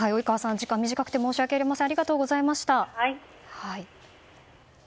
時間が短くて申し訳ありません。